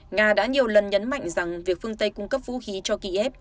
nga đã nhiều lần nhấn mạnh rằng việc phương tây cung cấp vũ khí cho kiev